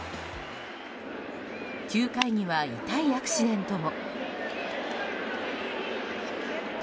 ９回には、痛いアクシデントも。